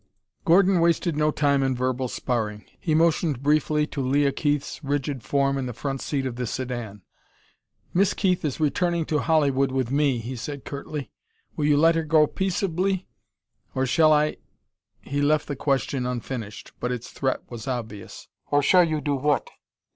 Gordon wasted no time in verbal sparring. He motioned briefly to Leah Keith's rigid form in the front seat of the sedan. "Miss Keith is returning to Hollywood with me," he said curtly. "Will you let her go peaceably, or shall I ?" He left the question unfinished, but its threat was obvious. "Or shall you do what?"